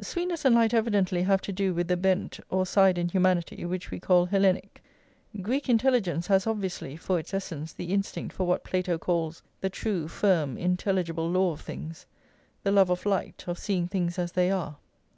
Sweetness and light evidently have to do with the bent or side in humanity which we call Hellenic. Greek intelligence has obviously for its essence the instinct for what Plato calls the true, firm, intelligible law of things; the love of light, of seeing things as they are.